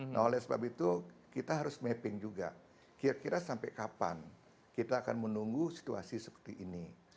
nah oleh sebab itu kita harus mapping juga kira kira sampai kapan kita akan menunggu situasi seperti ini